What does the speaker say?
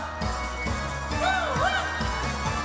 ワンワン！